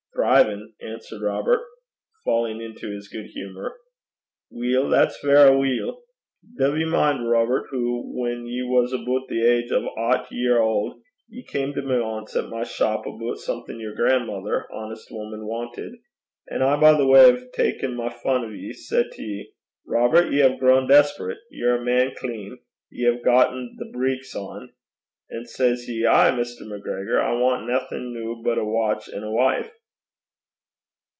'Thrivin',' answered Robert, falling into his humour. 'Weel, that's verra weel. Duv ye min', Robert, hoo, whan ye was aboot the age o' aucht year aul', ye cam to me ance at my shop aboot something yer gran'mither, honest woman, wantit, an' I, by way o' takin' my fun o' ye, said to ye, "Robert, ye hae grown desperate; ye're a man clean; ye hae gotten the breeks on." An' says ye, "Ay, Mr. MacGregor, I want naething noo but a watch an' a wife"?'